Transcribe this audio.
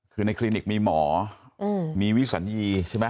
คือในคลินิกมีหมอมีวิสัญญีใช่ไหม